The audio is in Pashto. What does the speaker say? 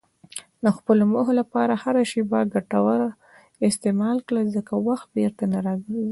د خپلو موخو لپاره هره شېبه ګټوره استعمال کړه، ځکه وخت بیرته نه راګرځي.